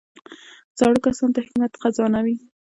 زاړه کسان د حکمت خزانه وي